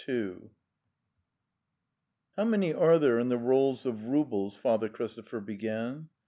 '"" How many are there in the rolls of roubles?" Father Christopher began.